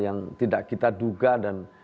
yang tidak kita duga dan